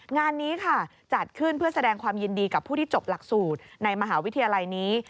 งานนี้ค่ะจัดขึ้นเพื่อแสดงความยินดีกับผู้ที่จบหลักสูตรในมหาวิทยาลัยนี้